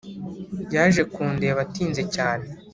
Yaje kundeba atinze cyane